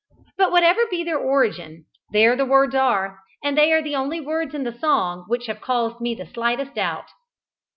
But, whatever be their origin, there the words are, and they are the only words in the song which have caused me the slightest doubt.